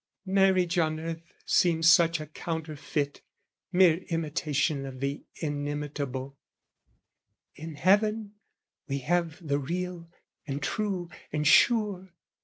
Marriage on earth seems such a counterfeit, Mere imitation of the inimitable: In heaven we have the real and true and sure.